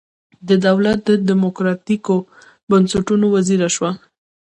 د دولت د دموکراتیکو بنسټونو وزیره شوه.